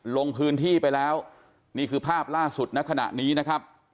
ลงพื้นที่ไปแล้วนี่คือภาพล่าสุดณขณะนี้นะครับ